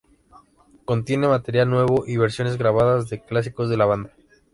Contiene material nuevo y versiones regrabadas de clásicos de la banda.